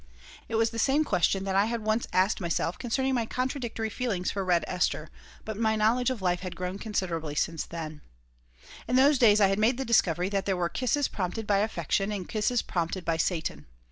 It was the same question that I had once asked myself concerning my contradictory feelings for Red Esther, but my knowledge of life had grown considerably since then In those days I had made the discovery that there were "kisses prompted by affection and kisses prompted by Satan."